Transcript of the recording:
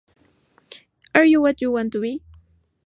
Are You What You Want to Be?